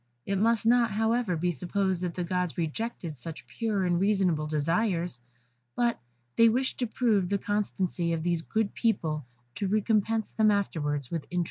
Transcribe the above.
It must not, however, be supposed that the gods rejected such pure and reasonable desires, but they wished to prove the constancy of these good people, to recompense them afterwards with interest.